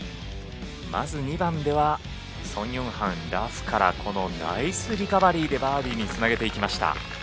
まず２番では、ソン・ヨンハンラフからこのナイスリカバリーでバーディーにつなげていきました。